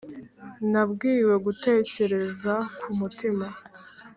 nabwiwe gutekereza ku mutima,